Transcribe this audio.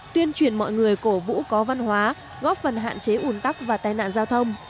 tuyên truyền mọi người cổ vũ có văn hóa góp phần hạn chế ủn tắc và tai nạn giao thông